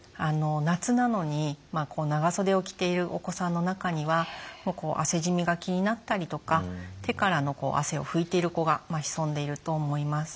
夏なのに長袖を着ているお子さんの中には汗染みが気になったりとか手からの汗を拭いている子が潜んでいると思います。